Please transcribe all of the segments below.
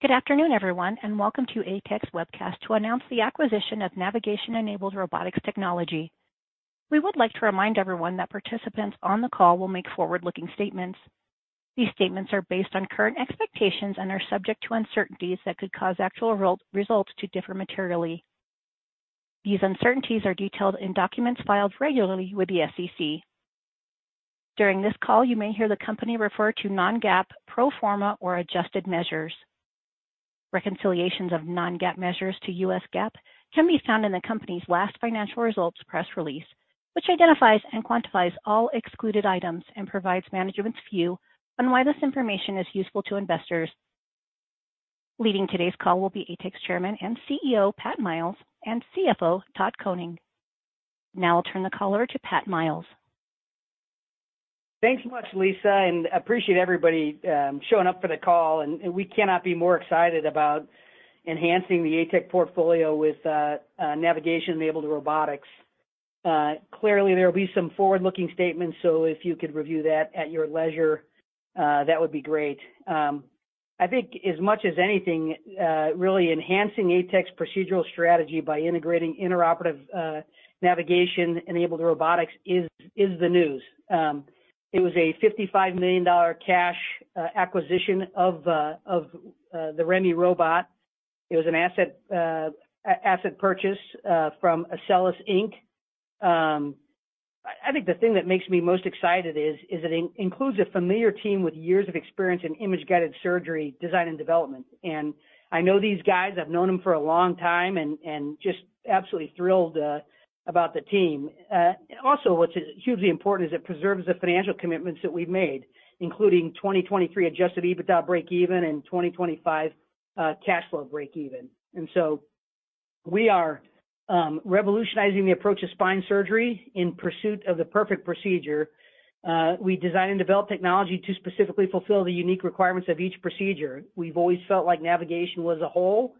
Good afternoon, everyone, and welcome to ATEC's webcast to announce the acquisition of Navigation-Enabled Robotics technology. We would like to remind everyone that participants on the call will make forward-looking statements. These statements are based on current expectations and are subject to uncertainties that could cause actual results to differ materially. These uncertainties are detailed in documents filed regularly with the SEC. During this call, you may hear the company refer to non-GAAP, pro forma, or adjusted measures. Reconciliations of non-GAAP measures to US GAAP can be found in the company's last financial results press release, which identifies and quantifies all excluded items and provides management's view on why this information is useful to investors. Leading today's call will be ATEC's Chairman and CEO, Pat Miles, and CFO, Todd Koning. I'll turn the caller to Pat Miles. Thanks much, Lisa, appreciate everybody showing up for the call. We cannot be more excited about enhancing the ATEC portfolio with navigation-enabled robotics. Clearly, there will be some forward-looking statements, so if you could review that at your leisure, that would be great. I think as much as anything, really enhancing ATEC's procedural strategy by integrating interoperative navigation-enabled robotics is the news. It was a $55 million cash acquisition of the REMI robot. It was an asset purchase from Accelus Inc. I think the thing that makes me most excited is it includes a familiar team with years of experience in image-guided surgery design and development. I know these guys, I've known them for a long time, just absolutely thrilled about the team. Also what's hugely important is it preserves the financial commitments that we've made, including 2023 adjusted EBITDA breakeven and 2025 cash flow breakeven. We are revolutionizing the approach to spine surgery in pursuit of the perfect procedure. We design and develop technology to specifically fulfill the unique requirements of each procedure. We've always felt like navigation was a whole,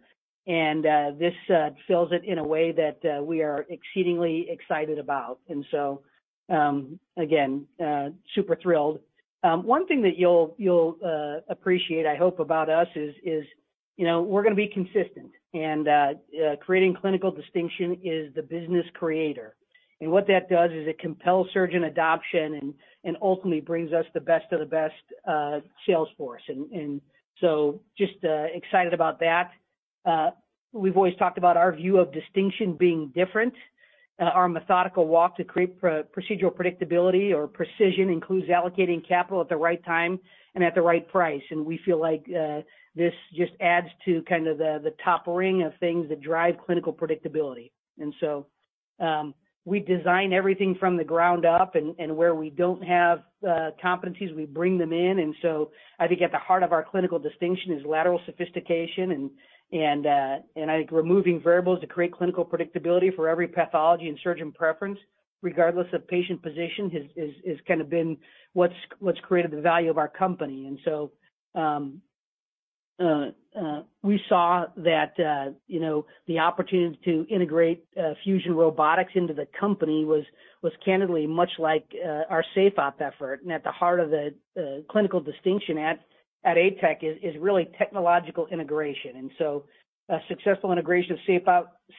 and this fills it in a way that we are exceedingly excited about. Again, super thrilled. One thing that you'll appreciate I hope about us is, you know, we're gonna be consistent. Creating clinical distinction is the business creator. What that does is it compels surgeon adoption and ultimately brings us the best of the best sales force. Just excited about that. We've always talked about our view of distinction being different. Our methodical walk to create pro-procedural predictability or precision includes allocating capital at the right time and at the right price. We feel like this just adds to kind of the top ring of things that drive clinical predictability. We design everything from the ground up, and where we don't have competencies, we bring them in. I think at the heart of our clinical distinction is lateral sophistication, and I think removing variables to create clinical predictability for every pathology and surgeon preference, regardless of patient position, has kind of been what's created the value of our company. We saw that, you know, the opportunity to integrate Fusion Robotics into the company was candidly much like our SafeOp effort. At the heart of the clinical distinction at ATEC is really technological integration. A successful integration of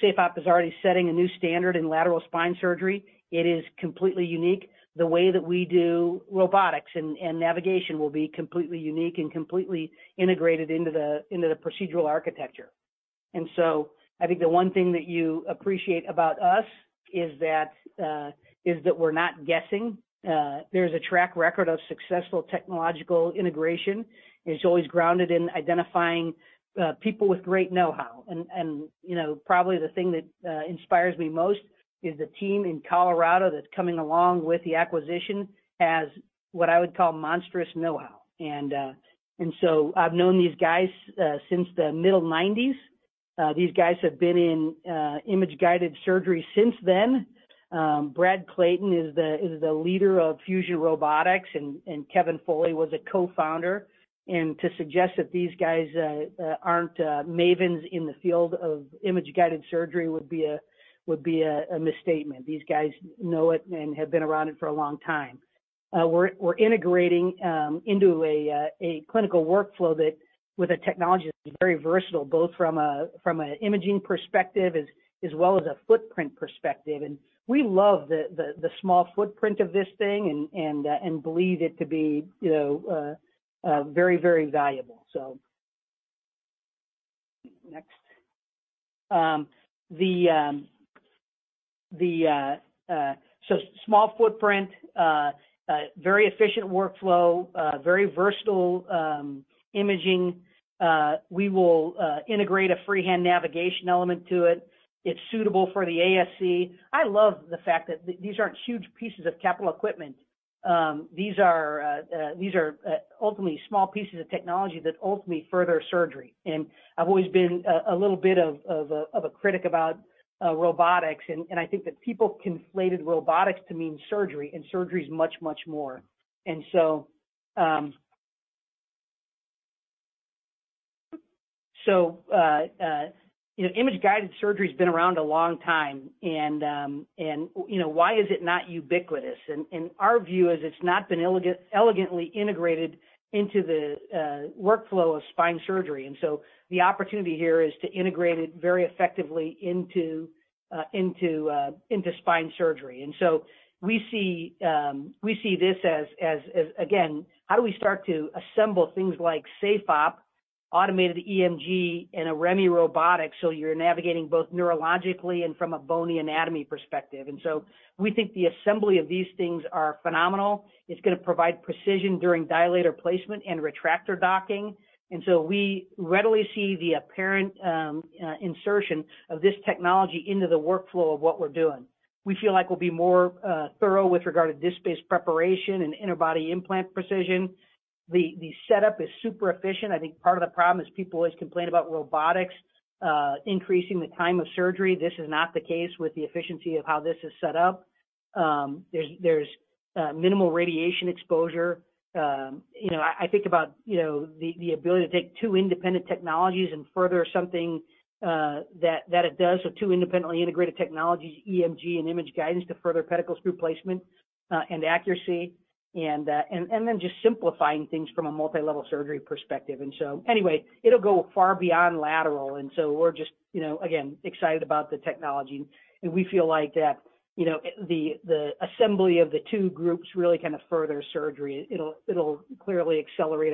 SafeOp is already setting a new standard in lateral spine surgery. It is completely unique. The way that we do robotics and navigation will be completely unique and completely integrated into the procedural architecture. I think the one thing that you appreciate about us is that is that we're not guessing. There's a track record of successful technological integration, and it's always grounded in identifying people with great know-how. You know, probably the thing that inspires me most is the team in Colorado that's coming along with the acquisition has what I would call monstrous know-how. I've known these guys since the middle 1990s. These guys have been in image-guided surgery since then. Brad Clayton is the leader of Fusion Robotics, and Kevin Foley was a co-founder. To suggest that these guys aren't mavens in the field of image-guided surgery would be a misstatement. These guys know it and have been around it for a long time. We're integrating into a clinical workflow that with a technology that's very versatile, both from an imaging perspective as well as a footprint perspective. We love the small footprint of this thing and believe it to be, you know, very valuable. Next. Small footprint, very efficient workflow, very versatile imaging. We will integrate a freehand navigation element to it. It's suitable for the ASC. I love the fact that these aren't huge pieces of capital equipment. These are ultimately small pieces of technology that ultimately further surgery. I've always been a little bit of a critic about robotics. I think that people conflated robotics to mean surgery, and surgery is much more. You know, image-guided surgery has been around a long time. You know, why is it not ubiquitous? Our view is it's not been elegantly integrated into the workflow of spine surgery. The opportunity here is to integrate it very effectively into into spine surgery. We see this as. Again, how do we start to assemble things like SafeOp, automated EMG, and a REMI robotic, so you're navigating both neurologically and from a bony anatomy perspective. We think the assembly of these things are phenomenal. It's gonna provide precision during dilator placement and retractor docking. We readily see the apparent insertion of this technology into the workflow of what we're doing. We feel like we'll be more thorough with regard to disc-based preparation and interbody implant precision. The setup is super efficient. I think part of the problem is people always complain about robotics, increasing the time of surgery. This is not the case with the efficiency of how this is set up. There's minimal radiation exposure. You know, I think about, you know, the ability to take two independent technologies and further something that it does. Two independently integrated technologies, EMG and image guidance, to further pedicle screw placement and accuracy, and then just simplifying things from a multi-level surgery perspective. Anyway, it'll go far beyond lateral. We're just, you know, again, excited about the technology, and we feel like, you know, the assembly of the two groups really kind of further surgery. It'll clearly accelerate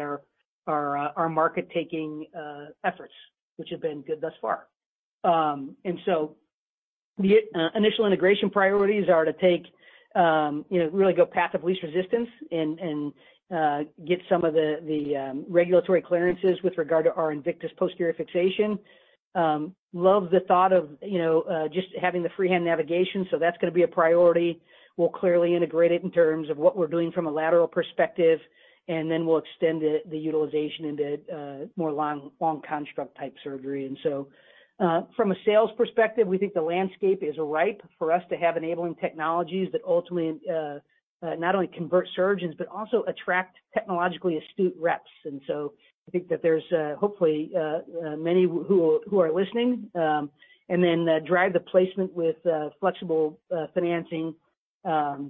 our market-taking efforts, which have been good thus far. The initial integration priorities are to take really go path of least resistance get some of the regulatory clearances with regard to our InVictus posterior fixation. Love the thought of just having the freehand navigation, so that's gonna be a priority. We'll clearly integrate it in terms of what we're doing from a lateral perspective, and then we'll extend it, the utilization into more long construct type surgery. From a sales perspective, we think the landscape is ripe for us to have enabling technologies that ultimately not only convert surgeons, but also attract technologically astute reps. I think that there's hopefully many who are listening, and then drive the placement with flexible financing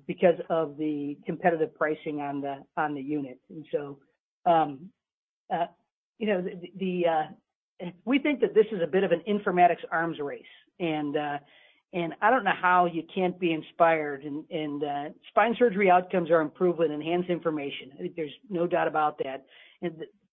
because of the competitive pricing on the unit. You know, We think that this is a bit of an informatics arms race, and I don't know how you can't be inspired and spine surgery outcomes are improved with enhanced information. I think there's no doubt about that.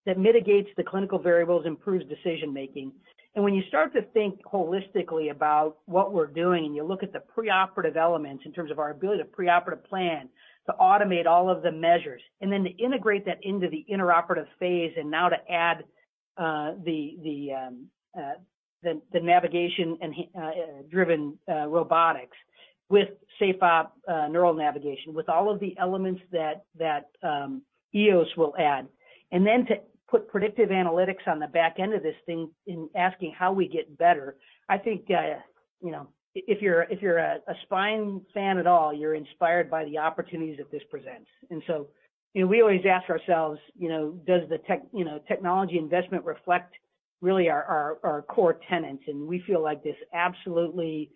That mitigates the clinical variables, improves decision-making. When you start to think holistically about what we're doing, and you look at the preoperative elements in terms of our ability to preoperative plan to automate all of the measures, and then to integrate that into the intraoperative phase, and now to add the navigation and driven robotics with SafeOp neural navigation, with all of the elements that EOS will add. Then to put predictive analytics on the back end of this thing in asking how we get better, I think, you know, if you're, if you're a spine fan at all, you're inspired by the opportunities that this presents. You know, we always ask ourselves, you know, does the technology investment reflect really our, our core tenants? We feel like this absolutely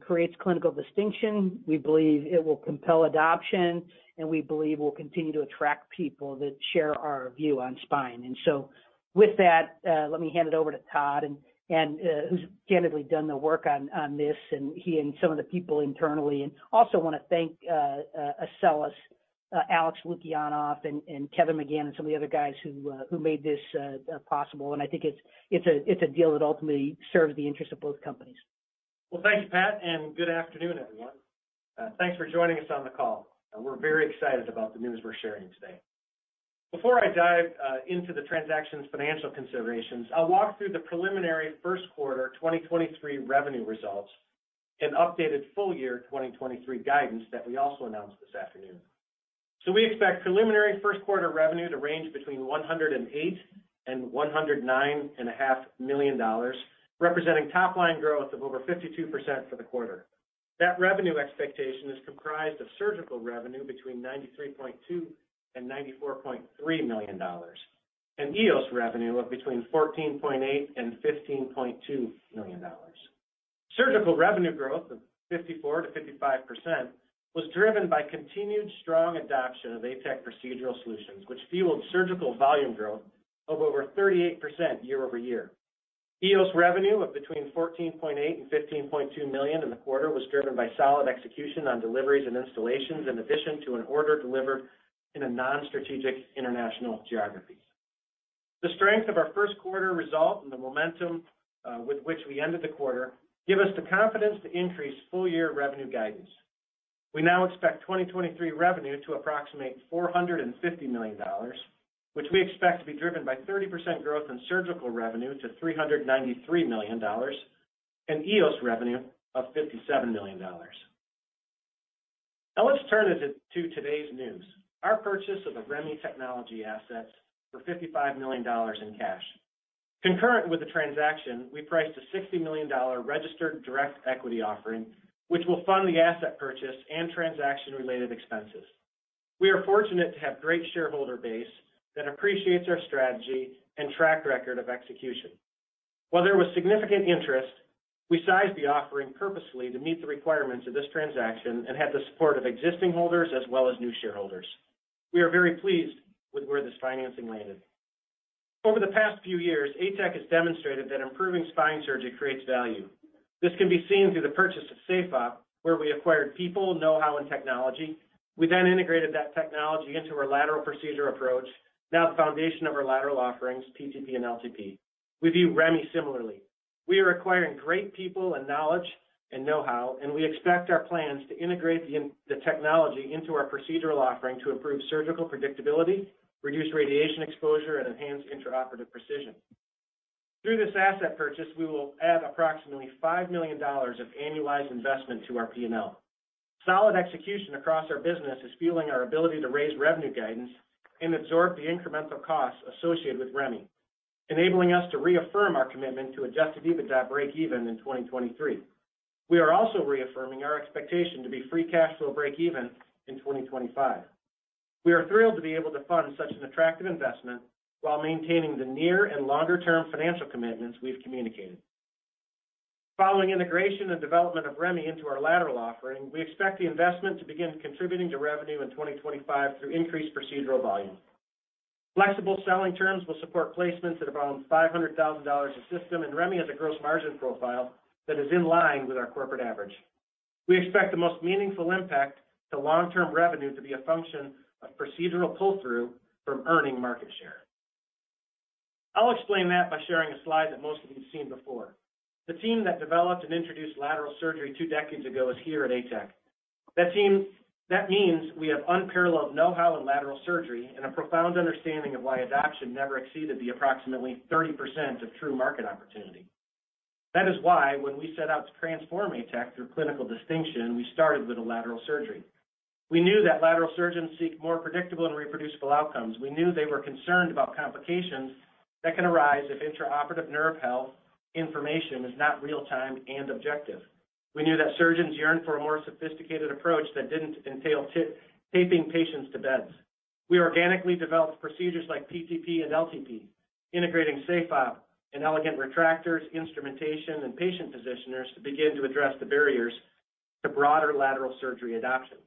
creates clinical distinction. We believe it will compel adoption, and we believe will continue to attract people that share our view on spine. With that, let me hand it over to Todd who's candidly done the work on this, and he and some of the people internally. Also want to thank Accelus, Alex Lukianov and Kevin McGann, and some of the other guys who made this possible. I think it's a, it's a deal that ultimately serves the interest of both companies. Well, thank you, Pat, and good afternoon, everyone. Thanks for joining us on the call. We're very excited about the news we're sharing today. Before I dive into the transaction's financial considerations, I'll walk through the preliminary Q1 2023 revenue results and updated full year 2023 guidance that we also announced this afternoon. We expect preliminary Q1 revenue to range between $108 million and $109.5 million, representing top line growth of over 52% for the quarter. That revenue expectation is comprised of surgical revenue between $93.2 million and $94.3 million, and EOS revenue of between $14.8 million and $15.2 million. Surgical revenue growth of 54%-55% was driven by continued strong adoption of ATEC procedural solutions, which fueled surgical volume growth of over 38% year-over-year. EOS revenue of between $14.8 million and $15.2 million in the quarter was driven by solid execution on deliveries and installations, in addition to an order delivered in a non-strategic international geography. The strength of our Q1 result and the momentum with which we ended the quarter give us the confidence to increase full year revenue guidance. We now expect 2023 revenue to approximate $450 million, which we expect to be driven by 30% growth in surgical revenue to $393 million and EOS revenue of $57 million. Let's turn it to today's news, our purchase of the REMI Technology assets for $55 million in cash. Concurrent with the transaction, we priced a $60 million registered direct equity offering, which will fund the asset purchase and transaction-related expenses. We are fortunate to have great shareholder base that appreciates our strategy and track record of execution. There was significant interest, we sized the offering purposely to meet the requirements of this transaction and had the support of existing holders as well as new shareholders. We are very pleased with where this financing landed. Over the past few years, ATEC has demonstrated that improving spine surgery creates value. This can be seen through the purchase of SafeOp, where we acquired people, know-how, and technology. We then integrated that technology into our lateral procedure approach, now the foundation of our lateral offerings, PTP and LTP. We view REMI similarly. We are acquiring great people and knowledge and know-how, and we expect our plans to integrate the technology into our procedural offering to improve surgical predictability, reduce radiation exposure, and enhance intraoperative precision. Through this asset purchase, we will add approximately $5 million of annualized investment to our P&L. Solid execution across our business is fueling our ability to raise revenue guidance and absorb the incremental costs associated with REMI, enabling us to reaffirm our commitment to adjusted EBITDA breakeven in 2023. We are also reaffirming our expectation to be free cash flow breakeven in 2025. We are thrilled to be able to fund such an attractive investment while maintaining the near and longer term financial commitments we've communicated. Following integration and development of REMI into our lateral offering, we expect the investment to begin contributing to revenue in 2025 through increased procedural volume. Flexible selling terms will support placements at around $500,000 a system, and REMI has a gross margin profile that is in line with our corporate average. We expect the most meaningful impact to long-term revenue to be a function of procedural pull-through from earning market share. I'll explain that by sharing a slide that most of you have seen before. The team that developed and introduced lateral surgery two decades ago is here at ATEC. That means we have unparalleled know-how in lateral surgery and a profound understanding of why adoption never exceeded the approximately 30% of true market opportunity. That is why when we set out to transform ATEC through clinical distinction, we started with a lateral surgery. We knew that lateral surgeons seek more predictable and reproducible outcomes. We knew they were concerned about complications that can arise if intraoperative nerve health information is not real-time and objective. We knew that surgeons yearned for a more sophisticated approach that didn't entail tap-taping patients to beds. We organically developed procedures like PTP and LTP, integrating SafeOp and elegant retractors, instrumentation, and patient positioners to begin to address the barriers to broader lateral surgery adoption.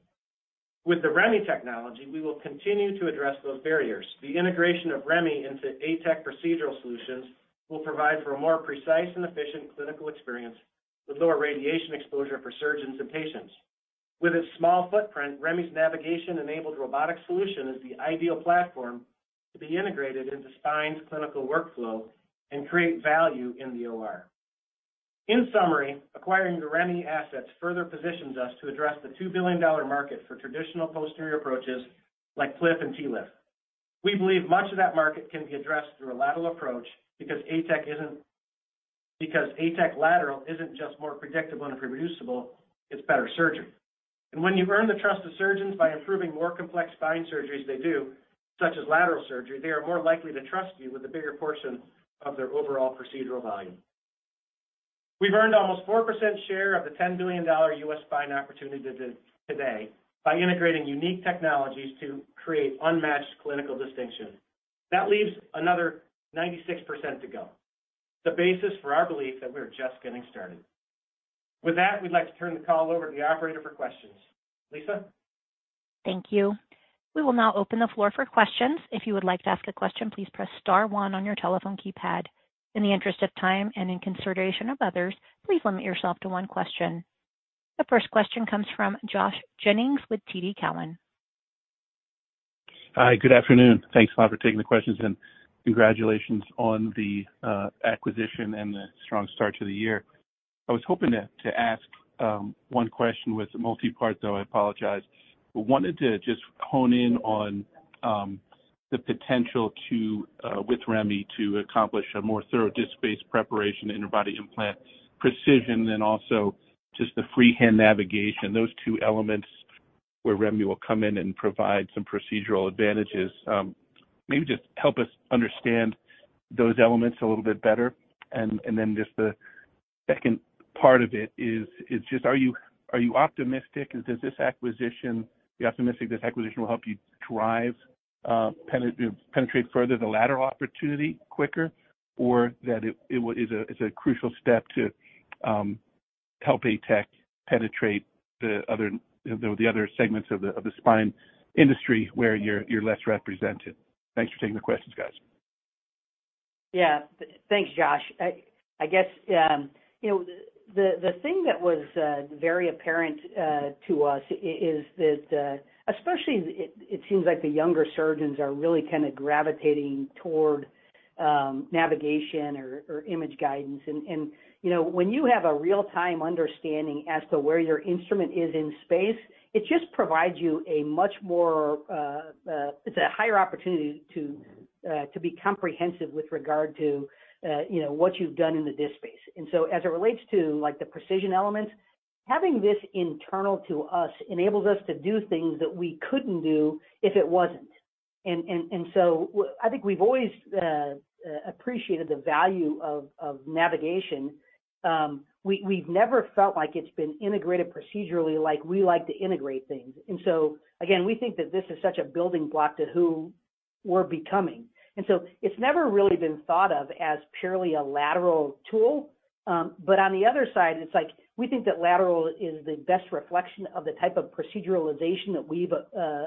With the REMI technology, we will continue to address those barriers. The integration of REMI into ATEC procedural solutions will provide for a more precise and efficient clinical experience with lower radiation exposure for surgeons and patients. With its small footprint, REMI's navigation-enabled robotic solution is the ideal platform to be integrated into spine's clinical workflow and create value in the OR. In summary, acquiring the REMI assets further positions us to address the $2 billion market for traditional posterior approaches like PLIF and TLIF. We believe much of that market can be addressed through a lateral approach because ATEC lateral isn't just more predictable and reproducible, it's better surgery. When you earn the trust of surgeons by improving more complex spine surgeries they do, such as lateral surgery, they are more likely to trust you with a bigger portion of their overall procedural volume. We've earned almost 4% share of the $10 billion US spine opportunity today by integrating unique technologies to create unmatched clinical distinction. That leaves another 96% to go. The basis for our belief that we are just getting started. With that, we'd like to turn the call over to the operator for questions. Lisa? Thank you. We will now open the floor for questions. If you would like to ask a question, please press star one on your telephone keypad. In the interest of time and in consideration of others, please limit yourself to one question. The first question comes from Josh Jennings with TD Cowen. Hi. Good afternoon. Thanks a lot for taking the questions, and congratulations on the acquisition and the strong start to the year. I was hoping to ask one question with multipart, though I apologize. I wanted to just hone in on the potential to with REMI to accomplish a more thorough disc-based preparation interbody implant precision and also just the freehand navigation, those two elements where REMI will come in and provide some procedural advantages. Just help us understand those elements a little bit better. Then just the second part of it is just are you optimistic that this acquisition, you're optimistic this acquisition will help you drive penetrate further the lateral opportunity quicker, or that it's a crucial step to help ATEC penetrate the other segments of the spine industry where you're less represented? Thanks for taking the questions, guys. Yeah. Thanks, Josh. I guess the thing that was very apparent to us is that especially it seems like the younger surgeons are really kind of gravitating toward navigation or image guidance. You know, when you have a real-time understanding as to where your instrument is in space, it just provides you a much more. It's a higher opportunity to be comprehensive with regard to, you know, what you've done in the disc space. As it relates to like the precision elements, having this internal to us enables us to do things that we couldn't do if it wasn't. I think we've always appreciated the value of navigation. We've never felt like it's been integrated procedurally like we like to integrate things. Again, we think that this is such a building block to who we're becoming. It's never really been thought of as purely a lateral tool. On the other side, it's like we think that lateral is the best reflection of the type of proceduralization that we've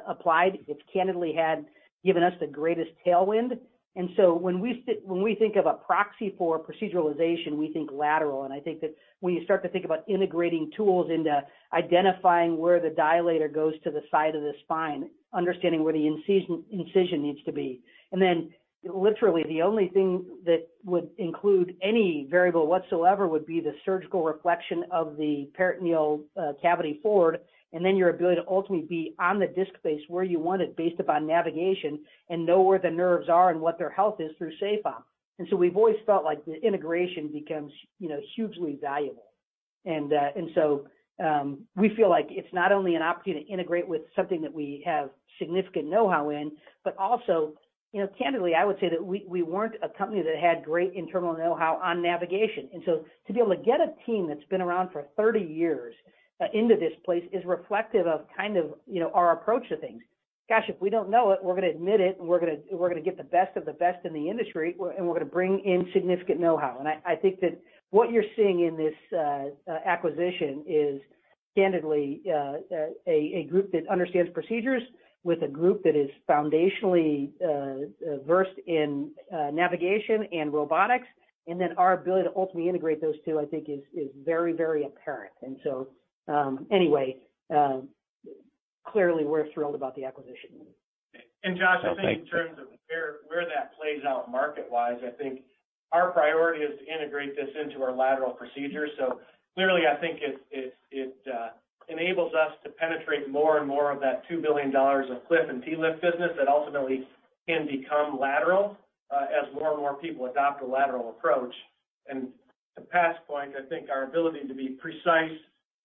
applied. It candidly had given us the greatest tailwind. When we think of a proxy for proceduralization, we think lateral. I think that when you start to think about integrating tools into identifying where the dilator goes to the side of the spine, understanding where the incision needs to be. Literally the only thing that would include any variable whatsoever would be the surgical reflection of the peritoneal cavity forward, and then your ability to ultimately be on the disc space where you want it based upon navigation and know where the nerves are and what their health is through SafeOp. We've always felt like the integration becomes, you know, hugely valuable. We feel like it's not only an opportunity to integrate with something that we have significant know-how in, but also, you know, candidly, I would say that we weren't a company that had great internal know-how on navigation. To be able to get a team that's been around for 30 years into this place is reflective of kind of, you know, our approach to things. Gosh, if we don't know it, we're gonna admit it, and we're gonna get the best of the best in the industry, and we're gonna bring in significant know-how. I think that what you're seeing in this acquisition is candidly a group that understands procedures with a group that is foundationally versed in navigation and robotics. Our ability to ultimately integrate those two, I think is very, very apparent. Anyway, clearly we're thrilled about the acquisition. Josh, I think in terms of where that plays out market-wise, I think our priority is to integrate this into our lateral procedure. Clearly, I think it enables us to penetrate more and more of that $2 billion of LLIF and TLIF business that ultimately can become lateral as more and more people adopt a lateral approach. To Pat's point, I think our ability to be precise,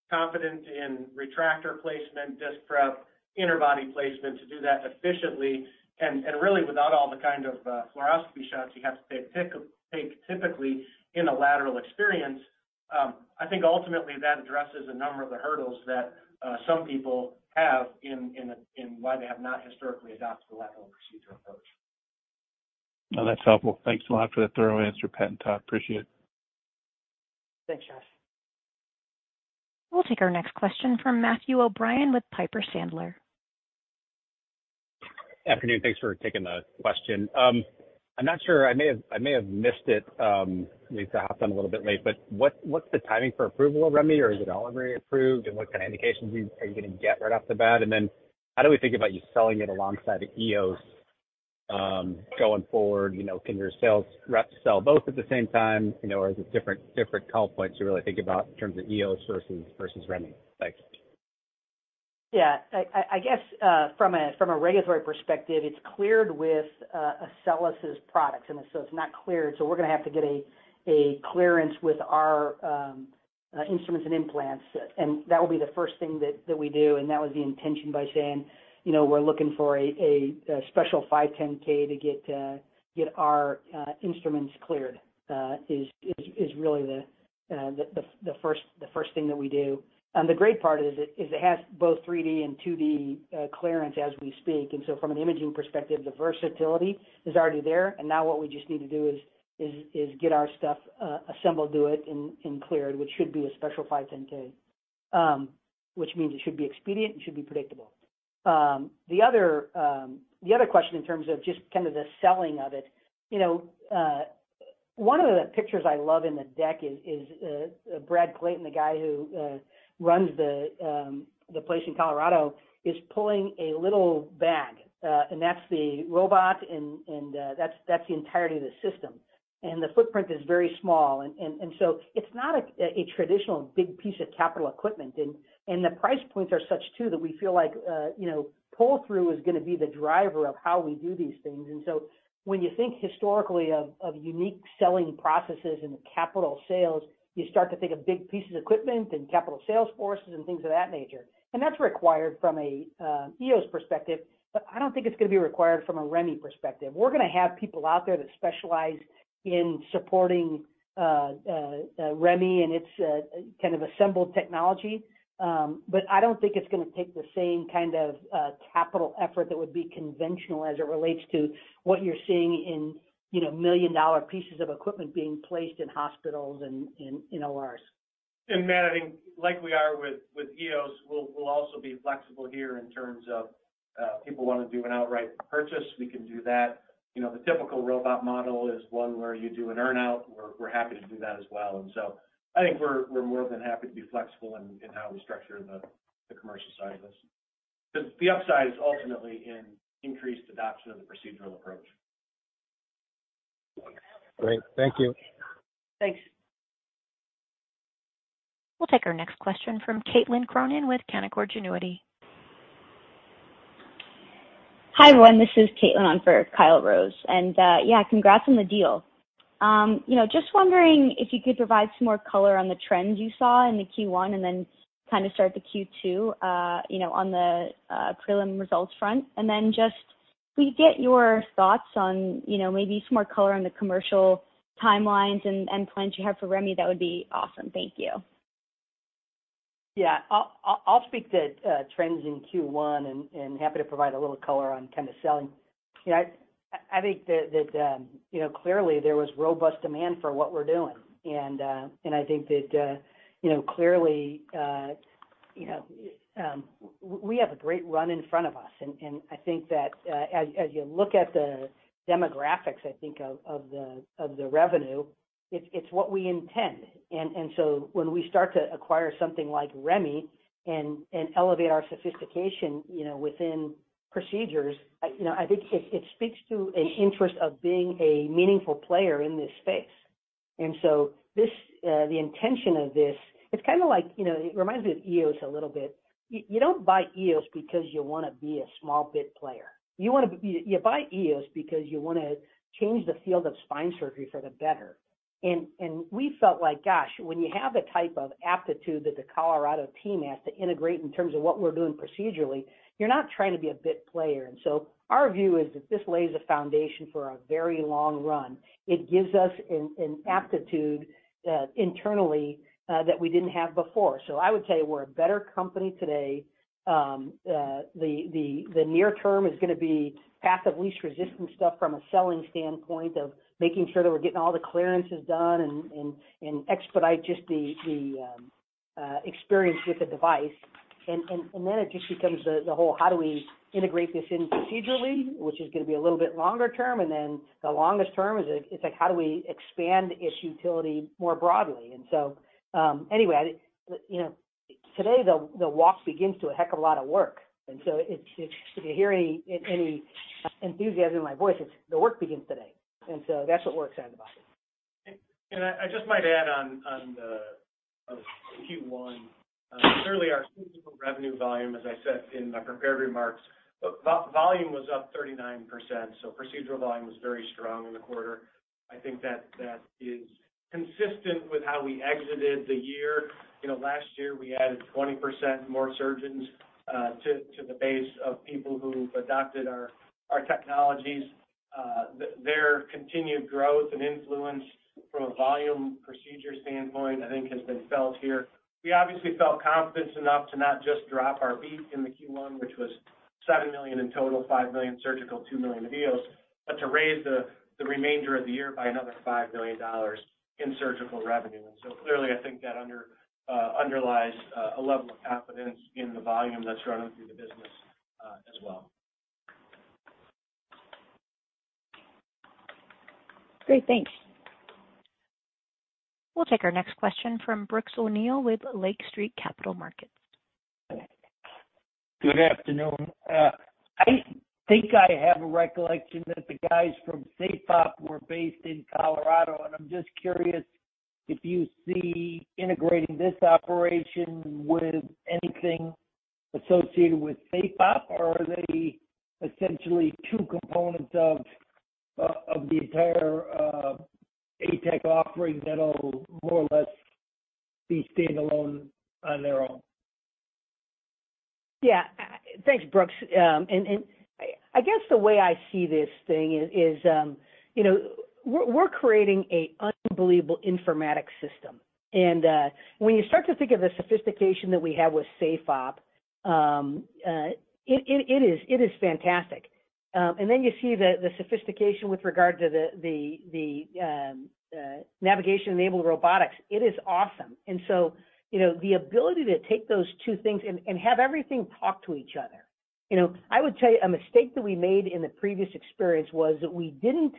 confident in retractor placement, disc prep, interbody placement, to do that efficiently and really without all the kind of fluoroscopy shots you have to take typically in a lateral experience, I think ultimately that addresses a number of the hurdles that some people have in why they have not historically adopted the lateral procedure approach. No, that's helpful. Thanks a lot for that thorough answer, Pat and Todd. Appreciate it. Thanks, Josh. We'll take our next question from Matthew O'Brien with Piper Sandler. Afternoon. Thanks for taking the question. I'm not sure I may have missed it, maybe I hopped on a little bit late, but what's the timing for approval of REMI or is it already approved? What kind of indications are you going to get right off the bat? How do we think about you selling it alongside EOS going forward? You know, can your sales reps sell both at the same time, you know, or is it different call points you really think about in terms of EOS versus REMI? Thanks. Yeah. I guess from a regulatory perspective, it's cleared with Accelus' products, it's not cleared. We're gonna have to get a clearance with our instruments and implants, and that will be the first thing that we do. That was the intention by saying, you know, we're looking for a special 510(k) to get our instruments cleared, is really the first thing that we do. The great part is it has both 3D and 2D clearance as we speak. From an imaging perspective, the versatility is already there. Now what we just need to do is get our stuff assembled to it and cleared, which should be a special 510(k). Which means it should be expedient, it should be predictable. The other question in terms of just kind of the selling of it, you know, one of the pictures I love in the deck is Brad Clayton, the guy who runs the place in Colorado, is pulling a little bag. That's the robot and that's the entirety of the system. The footprint is very small. So it's not a traditional big piece of capital equipment. The price points are such too that we feel like, you know, pull through is gonna be the driver of how we do these things. When you think historically of unique selling processes and capital sales, you start to think of big pieces of equipment and capital sales forces and things of that nature. That's required from a EOS perspective, but I don't think it's gonna be required from a REMI perspective. We're gonna have people out there that specialize in supporting REMI and its kind of assembled technology. But I don't think it's gonna take the same kind of capital effort that would be conventional as it relates to what you're seeing in, you know, $1 million pieces of equipment being placed in hospitals and in ORs. Matt, I think like we are with EOS, we'll also be flexible here in terms of people want to do an outright purchase, we can do that. You know, the typical robot model is one where you do an earn out. We're happy to do that as well. I think we're more than happy to be flexible in how we structure the commercial side of this. The upside is ultimately in increased adoption of the procedural approach. Great. Thank you. Thanks. We'll take our next question from Caitlin Cronin with Canaccord Genuity. Hi, everyone, this is Caitlin on for Kyle Rose. Yeah, congrats on the deal. just wondering if you could provide some more color on the trends you saw in the Q1 and then kind of start the Q2, you know, on the prelim results front. Just if we get your thoughts on, you know, maybe some more color on the commercial timelines and plans you have for REMI, that would be awesome. Thank you. Yeah. I'll speak to trends in Q1 and happy to provide a little color on kind of selling. You know, I think that, you know, clearly there was robust demand for what we're doing. I think that, you know, clearly, you know, we have a great run in front of us. I think that as you look at the demographics, I think of the revenue, it's what we intend. So when we start to acquire something like REMI and elevate our sophistication, you know, within procedures, I, you know, I think it speaks to an interest of being a meaningful player in this space. This, the intention of this, it's kind of like, you know, it reminds me of EOS a little bit. You don't buy EOS because you wanna be a small bit player. You buy EOS because you wanna change the field of spine surgery for the better. We felt like, gosh, when you have the type of aptitude that the Colorado team has to integrate in terms of what we're doing procedurally, you're not trying to be a bit player. Our view is that this lays a foundation for a very long run. It gives us an aptitude internally that we didn't have before. I would tell you we're a better company today. The near term is gonna be path of least resistance stuff from a selling standpoint of making sure that we're getting all the clearances done and expedite just the experience with the device. Then it just becomes the whole how do we integrate this in procedurally, which is gonna be a little bit longer term. Then the longest term is like how do we expand its utility more broadly? Anyway, I think, you know, today the walk begins to a heck of a lot of work. It's... If you hear any enthusiasm in my voice, it's the work begins today. That's what we're excited about. I just might add on Q1, clearly our procedural revenue volume, as I said in my prepared remarks, volume was up 39%. Procedural volume was very strong in the quarter. I think that that is consistent with how we exited the year. You know, last year we added 20% more surgeons to the base of people who've adopted our technologies. Their continued growth and influence from a volume procedure standpoint, I think has been felt here. We obviously felt confidence enough to not just drop our beat in the Q1, which was $7 million in total, $5 million surgical, $2 million EOS, but to raise the remainder of the year by another $5 million in surgical revenue. Clearly I think that underlies a level of confidence in the volume that's running through the business as well. Great. Thanks. We'll take our next question from Brooks O'Neil with Lake Street Capital Markets. Good afternoon. I think I have a recollection that the guys from SafeOp were based in Colorado, I'm just curious if you see integrating this operation with anything associated with SafeOp? Are they essentially two components of the entire ATEC offering that'll more or less be standalone on their own? Yeah. Thanks, Brooks. I guess the way I see this thing is, you know, we're creating an unbelievable informatics system. When you start to think of the sophistication that we have with SafeOp, it is fantastic. You see the sophistication with regard to the navigation-enabled robotics. It is awesome. You know, the ability to take those two things and have everything talk to each other. You know, I would tell you a mistake that we made in the previous experience was that we didn't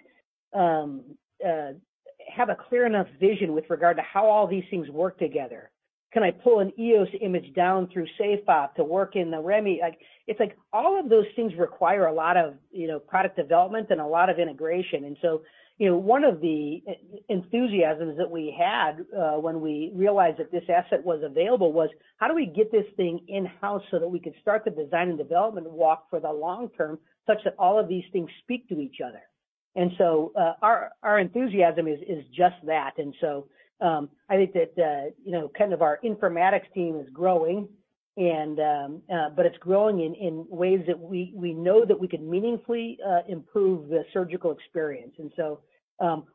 have a clear enough vision with regard to how all these things work together. Can I pull an EOS image down through SafeOp to work in the REMI? Like, it's like all of those things require a lot of, you know, product development and a lot of integration. You know, one of the enthusiasms that we had when we realized that this asset was available was, how do we get this thing in-house so that we can start the design and development walk for the long term such that all of these things speak to each other? Our enthusiasm is just that. I think that, you know, kind of our informatics team is growing and it's growing in ways that we know that we can meaningfully improve the surgical experience.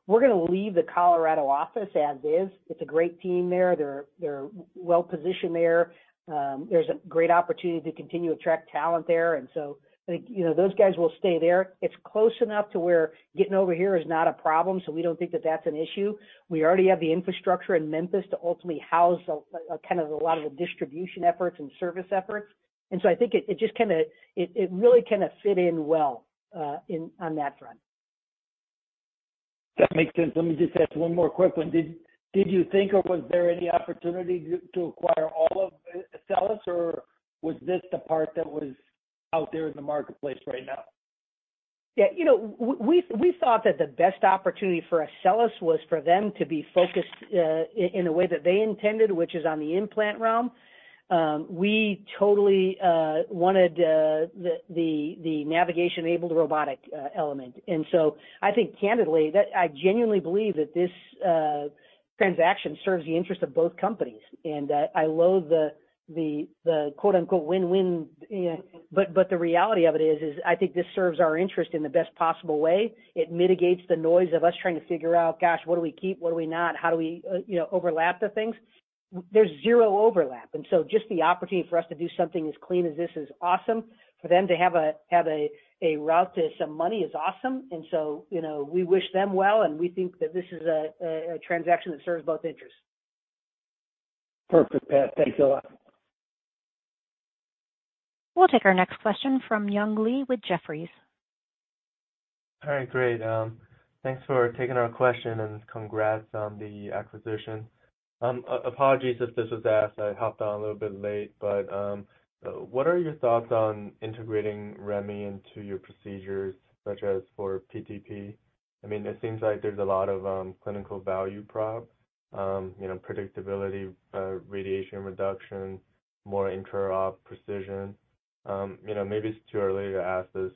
We're gonna leave the Colorado office as is. It's a great team there. They're well positioned there. There's a great opportunity to continue to attract talent there. I think, you know, those guys will stay there. It's close enough to where getting over here is not a problem, so we don't think that that's an issue. We already have the infrastructure in Memphis to ultimately house a lot of the distribution efforts and service efforts. I think it just kinda... It really kinda fit in well, in, on that front. That makes sense. Let me just ask one more quick one. Did you think or was there any opportunity to acquire all of Accelus, or was this the part that was out there in the marketplace right now? Yeah, you know, we thought that the best opportunity for Accelus was for them to be focused in a way that they intended, which is on the implant realm. We totally wanted the navigation-abled robotic element. I think candidly, that I genuinely believe that this transaction serves the interest of both companies, and I loathe the quote-unquote win-win, but the reality of it is I think this serves our interest in the best possible way. It mitigates the noise of us trying to figure out, gosh, what do we keep, what do we not? How do we, you know, overlap the things? There's zero overlap. Just the opportunity for us to do something as clean as this is awesome. For them to have a route to some money is awesome. You know, we wish them well, and we think that this is a transaction that serves both interests. Perfect, Pat. Thank you a lot. We'll take our next question from Young Li with Jefferies. All right, great. Thanks for taking our question, congrats on the acquisition. Apologies if this was asked. I hopped on a little bit late, what are your thoughts on integrating REMI into your procedures such as for PTP? I mean, it seems like there's a lot of clinical value prop, you know, predictability, radiation reduction, more intraop precision. You know, maybe it's too early to ask this,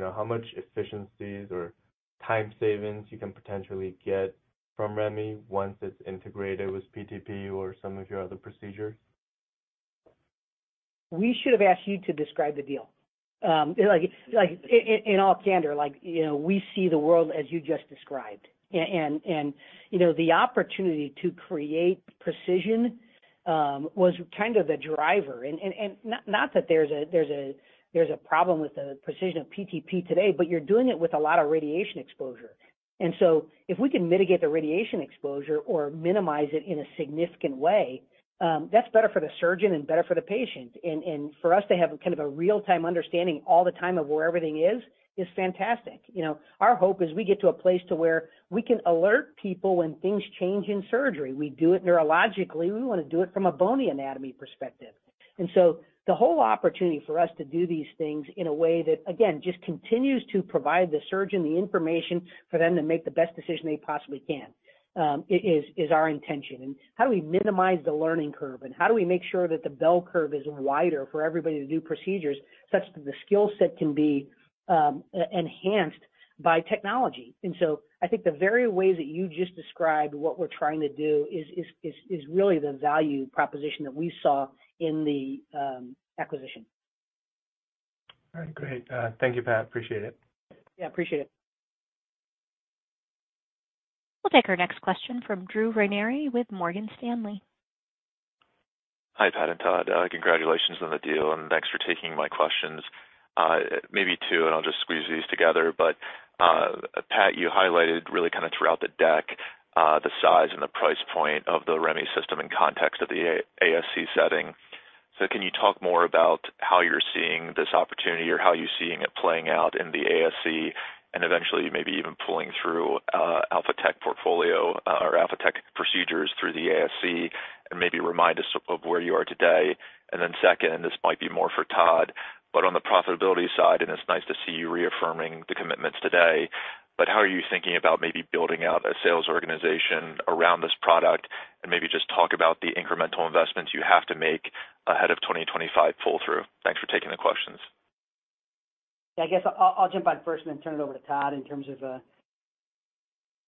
how much efficiencies or time savings you can potentially get from REMI once it's integrated with PTP or some of your other procedures? We should have asked you to describe the deal. Like in all candor, like, you know, we see the world as you just described. You know, the opportunity to create precision was kind of the driver. Not that there's a problem with the precision of PTP today, but you're doing it with a lot of radiation exposure. If we can mitigate the radiation exposure or minimize it in a significant way, that's better for the surgeon and better for the patient. For us to have kind of a real-time understanding all the time of where everything is fantastic. You know, our hope is we get to a place to where we can alert people when things change in surgery. We do it neurologically. We want to do it from a bony anatomy perspective. The whole opportunity for us to do these things in a way that, again, just continues to provide the surgeon the information for them to make the best decision they possibly can, is our intention. How do we minimize the learning curve, and how do we make sure that the bell curve is wider for everybody to do procedures such that the skill set can be e-enhanced by technology. I think the very way that you just described what we're trying to do is really the value proposition that we saw in the acquisition. All right, great. Thank you, Pat. Appreciate it. Yeah, appreciate it. We'll take our next question from Drew Ranieri with Morgan Stanley. Hi, Pat and Todd. Congratulations on the deal, and thanks for taking my questions. Maybe two, and I'll just squeeze these together. Pat, you highlighted really kind of throughout the deck, the size and the price point of the REMI system in context of the ASC setting. Can you talk more about how you're seeing this opportunity or how you're seeing it playing out in the ASC and eventually maybe even pulling through Alphatec portfolio or Alphatec procedures through the ASC and maybe remind us of where you are today? Then second, this might be more for Todd, but on the profitability side, and it's nice to see you reaffirming the commitments today, but how are you thinking about maybe building out a sales organization around this product? Maybe just talk about the incremental investments you have to make ahead of 2025 pull-through. Thanks for taking the questions. Yeah, I guess I'll jump on first and then turn it over to Todd in terms of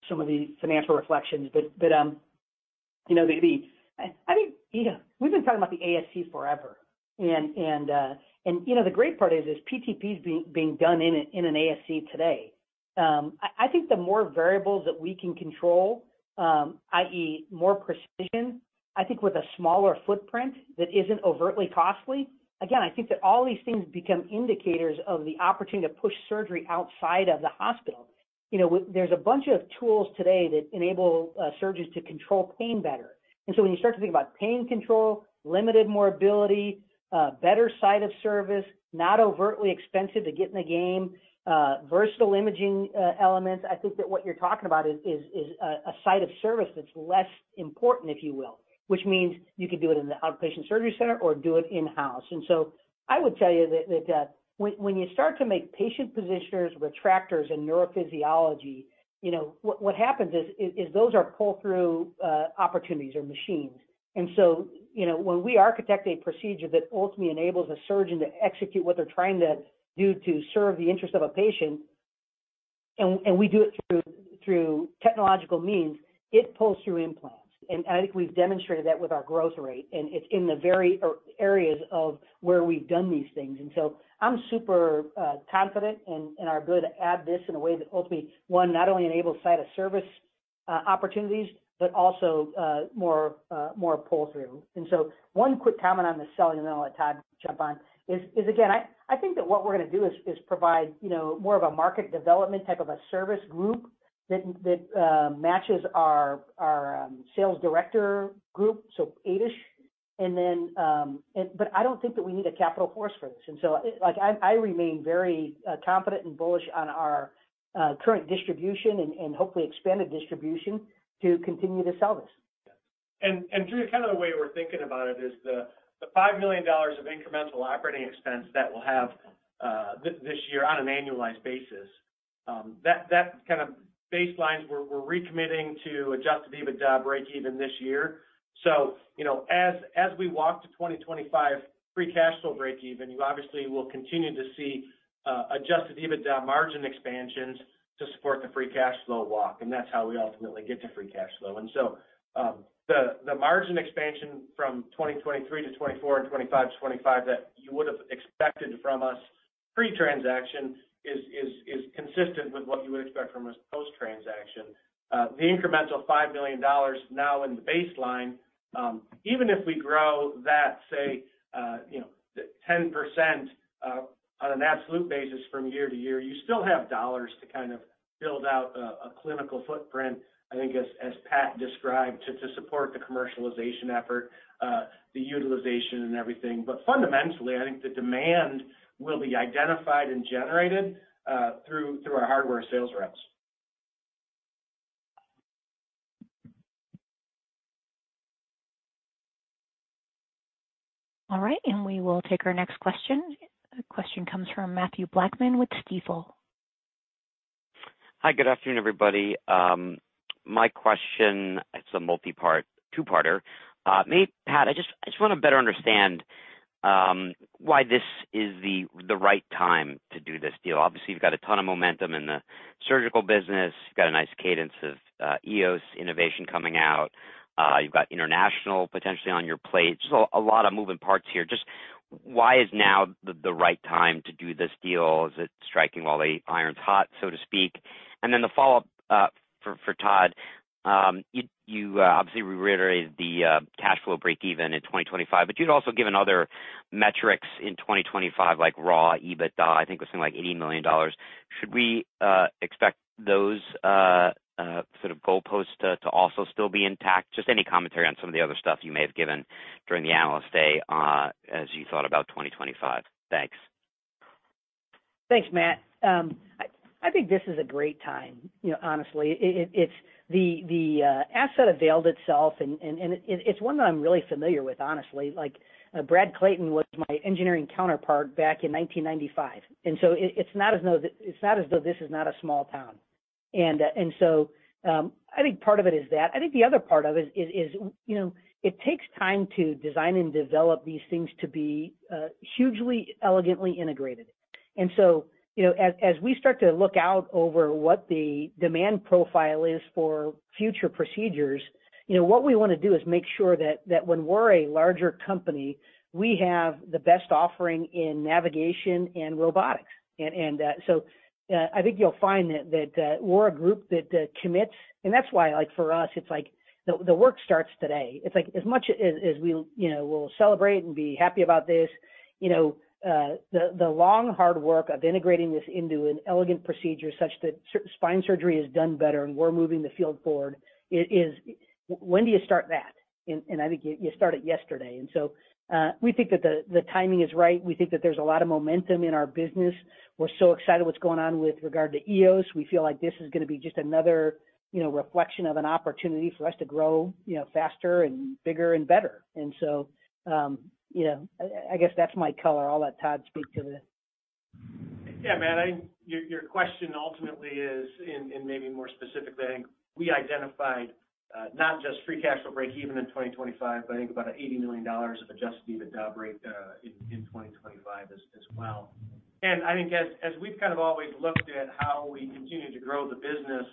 some of the financial reflections. You know, maybe. I think, you know, we've been talking about the ASC forever, and, you know, the great part is PTP is being done in an ASC today. I think the more variables that we can control, i.e., more precision, I think with a smaller footprint that isn't overtly costly, again, I think that all these things become indicators of the opportunity to push surgery outside of the hospital. You know, there's a bunch of tools today that enable surgeons to control pain better. When you start to think about pain control, limited morbidity, better site of service, not overtly expensive to get in the game, versatile imaging elements, I think that what you're talking about is a site of service that's less important, if you will, which means you could do it in the outpatient surgery center or do it in-house. I would tell you that, when you start to make patient positioners, retractors, and neurophysiology, you know, what happens is those are pull-through opportunities or machines. You know, when we architect a procedure that ultimately enables a surgeon to execute what they're trying to do to serve the interest of a patient, and we do it through technological means, it pulls through implants. I think we've demonstrated that with our growth rate, and it's in the very areas of where we've done these things. I'm super confident in our ability to add this in a way that ultimately, one, not only enables site of service opportunities, but also more pull-through. One quick comment on the selling, and then I'll let Todd jump on, is again, I think that what we're gonna do is provide, you know, more of a market development type of a service group that matches our sales director group, so eight-ish. I don't think that we need a capital force for this. like I remain very confident and bullish on our current distribution and hopefully expanded distribution to continue to sell this. Drew Ranieri, the way we're thinking about it is the $5 million of incremental operating expense that we'll have this year on an annualized basis, that kind of baselines, we're recommitting to adjusted EBITDA breakeven this year. You know, as we walk to 2025 free cash flow breakeven, you obviously will continue to see adjusted EBITDA margin expansions to support the free cash flow walk, that's how we ultimately get to free cash flow. The margin expansion from 2023 to 2024 and 2025 to 2025 that you would've expected from us pre-transaction is consistent with what you would expect from us post-transaction. The incremental $5 million now in the baseline, even if we grow that, say, you know, 10% on an absolute basis from year to year, you still have dollars to kind of build out a clinical footprint, I think as Pat described, to support the commercialization effort, the utilization and everything. Fundamentally, I think the demand will be identified and generated through our hardware sales reps. All right, we will take our next question. A question comes from Mathew Blackman with Stifel. Hi, good afternoon, everybody. My question, it's a multipart two-parter. Maybe Pat, I just, I just wanna better understand why this is the right time to do this deal. Obviously, you've got a ton of momentum in the surgical business. You've got a nice cadence of EOS innovation coming out. You've got international potentially on your plate. Just a lot of moving parts here. Just why is now the right time to do this deal? Is it striking while the iron's hot, so to speak? The follow-up for Todd, obviously reiterated the cash flow breakeven in 2025, but you'd also given other metrics in 2025, like raw EBITDA, I think it was something like $80 million. Should we expect those sort of goalposts to also still be intact? Any commentary on some of the other stuff you may have given during the Analyst Day as you thought about 2025. Thanks. Thanks, Matt. I think this is a great time, you know, honestly. It's the asset availed itself and it's one that I'm really familiar with, honestly. Like Brad Clayton was my engineering counterpart back in 1995. It's not as though this is not a small town. I think part of it is that. I think the other part of it is, you know, it takes time to design and develop these things to be hugely elegantly integrated. You know, as we start to look out over what the demand profile is for future procedures, you know, what we wanna do is make sure that when we're a larger company, we have the best offering in navigation and robotics. I think you'll find that we're a group that commits. That's why, like, for us, it's like the work starts today. It's like as much as we, you know, we'll celebrate and be happy about this, you know, the long hard work of integrating this into an elegant procedure such that spine surgery is done better and we're moving the field forward is. When do you start that? I think you start it yesterday. We think that the timing is right. We think that there's a lot of momentum in our business. We're so excited what's going on with regard to EOS. We feel like this is gonna be just another, you know, reflection of an opportunity for us to grow, you know, faster and bigger and better. I guess that's my color. I'll let Todd speak to the. Yeah, Matt, I think your question ultimately is, maybe more specifically, I think we identified, not just free cash flow breakeven in 2025, but I think about $80 million of adjusted EBITDA break, in 2025 as well. I think as we've kind of always looked at how we continue to grow the business,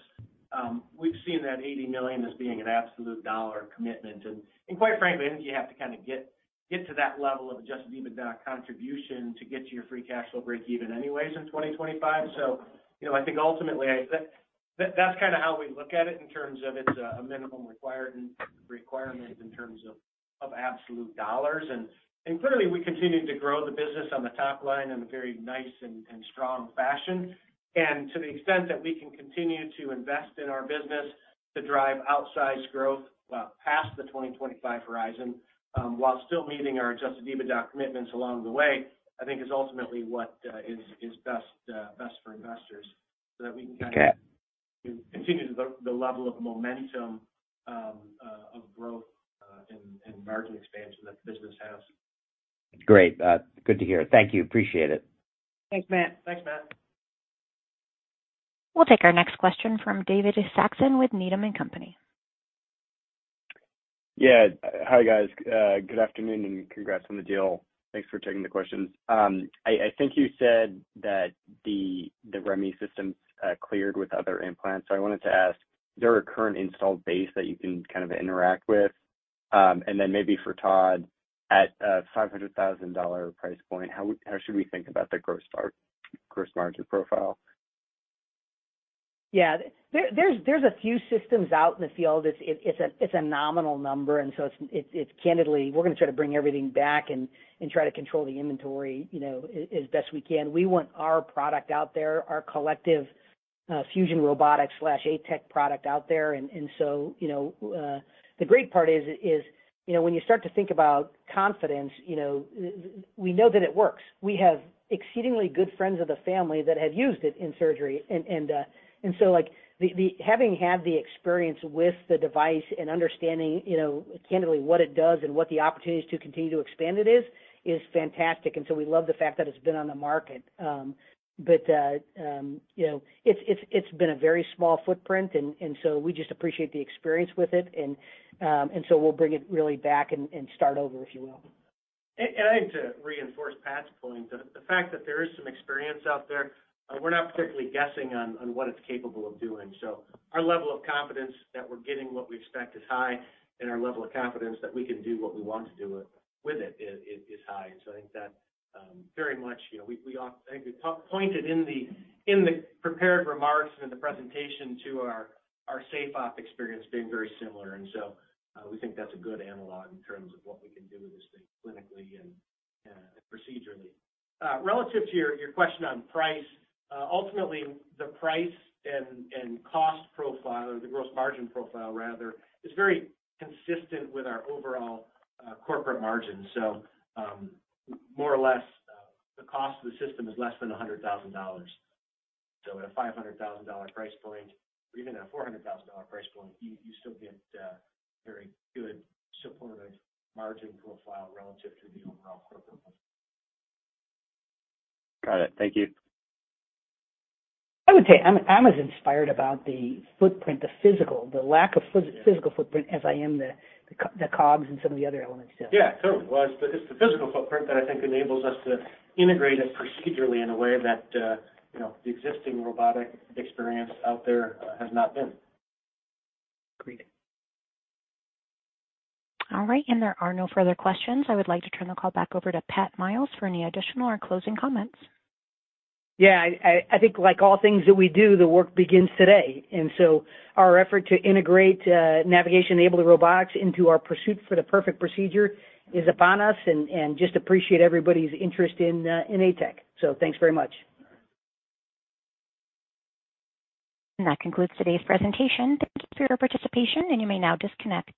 we've seen that $80 million as being an absolute dollar commitment. quite frankly, I think you have to kind of get to that level of adjusted EBITDA contribution to get to your free cash flow breakeven anyways in 2025. you know, I think ultimately that's kind of how we look at it in terms of it's a minimum requirement in terms of absolute dollars. Clearly, we continue to grow the business on the top line in a very nice and strong fashion. To the extent that we can continue to invest in our business to drive outsized growth past the 2025 horizon, while still meeting our adjusted EBITDA commitments along the way, I think is ultimately what is best for investors, so that we can kind of- Okay. continue the level of momentum, of growth, and margin expansion that the business has. Great. Good to hear. Thank you. Appreciate it. Thanks, Matt. Thanks, Matt. We'll take our next question from David Saxon with Needham & Company. Hi, guys. Good afternoon, and congrats on the deal. Thanks for taking the questions. I think you said that the REMI system's cleared with other implants. I wanted to ask, is there a current installed base that you can kind of interact with? Maybe for Todd, at a $500,000 price point, how should we think about the gross margin profile? Yeah. There's a few systems out in the field. It's a nominal number, and so it's candidly, we're gonna try to bring everything back and try to control the inventory, you know, as best we can. We want our product out there, our collective Fusion Robotics/ATEC product out there. The great part is, you know, when you start to think about confidence, you know, we know that it works. We have exceedingly good friends of the family that have used it in surgery. Like, the having had the experience with the device and understanding, you know, candidly what it does and what the opportunities to continue to expand it is fantastic. We love the fact that it's been on the market. You know, it's been a very small footprint and so we just appreciate the experience with it and so we'll bring it really back and start over, if you will. I think to reinforce Pat's point, the fact that there is some experience out there, we're not particularly guessing on what it's capable of doing. Our level of confidence that we're getting what we expect is high, and our level of confidence that we can do what we want to do with it is high. I think that very much, you know, we pointed in the prepared remarks and in the presentation to our SafeOp experience being very similar. We think that's a good analog in terms of what we can do with this thing clinically and procedurally. Relative to your question on price, ultimately, the price and cost profile or the gross margin profile rather, is very consistent with our overall corporate margin. More or less, the cost of the system is less than $100,000. At a $500,000 price point or even a $400,000 price point, you still get very good supportive margin profile relative to the overall corporate. Got it. Thank you. I would say I'm as inspired about the footprint, the physical, the lack of physical footprint as I am the COGS and some of the other elements, yeah. Yeah, totally. Well, it's the physical footprint that I think enables us to integrate it procedurally in a way that, you know, the existing robotic experience out there, has not been. Agreed. All right. There are no further questions. I would like to turn the call back over to Pat Miles for any additional or closing comments. Yeah. I think like all things that we do, the work begins today. Our effort to integrate navigation-enabled robotics into our pursuit for the perfect procedure is upon us, and just appreciate everybody's interest in ATEC. Thanks very much. That concludes today's presentation. Thank you for your participation, and you may now disconnect.